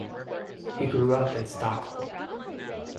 He grew up in Stockholm.